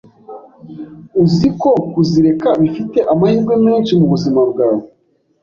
uziko kuzireka bifite amahirwe menshi mubuzima bwawe